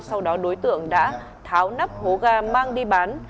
sau đó đối tượng đã tháo nắp hố ga mang đi bán